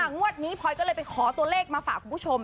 งวดนี้พลอยก็เลยไปขอตัวเลขมาฝากคุณผู้ชม